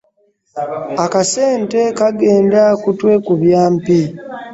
Akasente kagenda kutwekubya mpi.